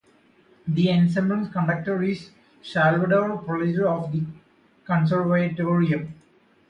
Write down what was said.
The ensemble's conductor is Salvador Pelejero, of the Conservatorium.